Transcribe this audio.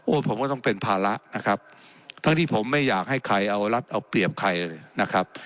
ผมก็ต้องเป็นภาระนะครับทั้งที่ผมไม่อยากให้ใครเอารัฐเอาเปรียบใครเลยนะครับ